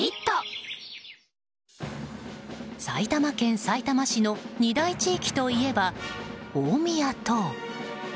埼玉県さいたま市の２大地域といえば大宮と。